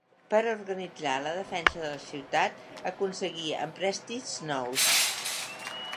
Per organitzar la defensa de la ciutat aconseguí emprèstits nous.